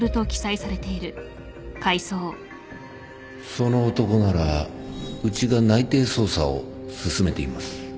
その男ならうちが内偵捜査を進めています